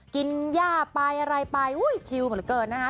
กินย่าไปอะไรไปอุ้ยชิวเหลือเกินนะคะ